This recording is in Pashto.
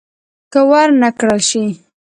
که ور نه کړل شي.